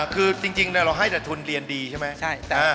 คือจริงเราให้แต่ทุนเรียนดีใช่ไหม